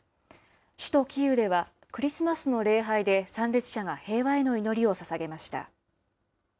首都キーウでは、クリスマスの礼拝で参列者が平和への祈りをささげました。